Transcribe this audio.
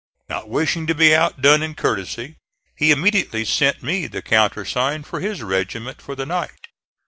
Not wishing to be outdone in courtesy, he immediately sent me the countersign for his regiment for the night.